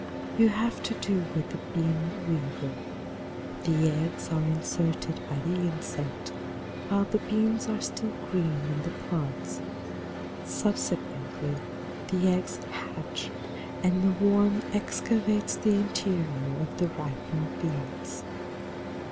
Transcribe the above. You have to do with the bean weevil. The eggs are inserted by the insect while the beans are still green in the pods; subsequently the eggs hatch and the worm excavates the interior of the ripened beans.